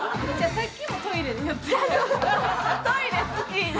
さっきもトイレに寄ったよな。